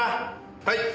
はい！